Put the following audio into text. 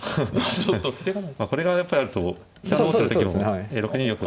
ちょっと防がないと。これがやっぱりあると飛車持ってる時も６二玉が。